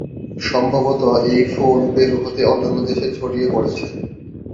সম্ভবত এই ফুল পেরু হতে অন্যান্য দেশে ছড়িয়ে পড়েছে।